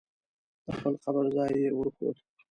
د خپل قبر ځای یې ور وښود.